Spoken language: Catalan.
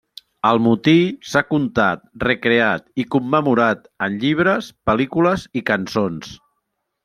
El motí s'ha contat, recreat i commemorat en llibres, pel·lícules i cançons.